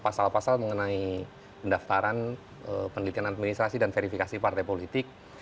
dua ribu tujuh belas pasal pasal mengenai pendaftaran penelitian administrasi dan verifikasi partai politik